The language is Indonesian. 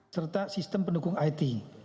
serta sistem pendukung it